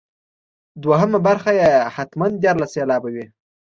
دوهمه برخه یې حتما دیارلس سېلابه وي.